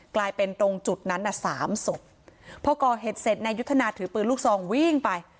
กลายเป็นตรงจุดนั้นน่ะสามศพพอก่อเหตุเสร็จนายยุทธนาถือปืนลูกซองวิ่งไป